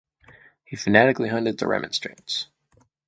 He fanatically hunted the Remonstrants.